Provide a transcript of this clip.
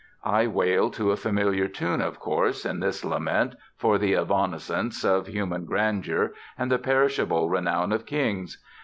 I wail to a familiar tune, of course, in this lament for the evanescence of human grandeur and the perishable renown of kings.